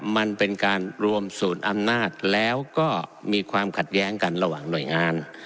มันเป็นการรวมศูนย์อำนาจแล้วก็มีความขัดแย้งกันระหว่างหน่วยงาน